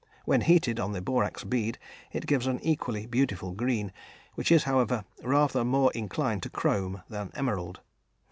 When heated on the borax bead it gives an equally beautiful green, which is, however, rather more inclined to chrome than emerald.